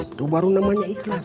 itu baru namanya ikhlas